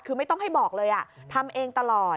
คือไม่ต้องให้บอกเลยทำเองตลอด